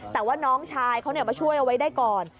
แต่ว่าน้องชายเขามาช่วยเอาไว้ได้ก่อน